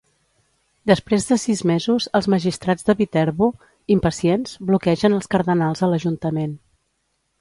Després de sis mesos els magistrats de Viterbo, impacients, bloquegen els cardenals a l'ajuntament.